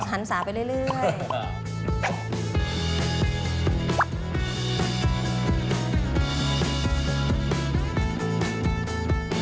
หันศาไปเรื่อย